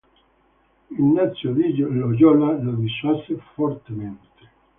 Ignazio di Loyola lo dissuase fortemente.